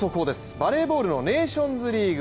バレーボールのネーションズリーグ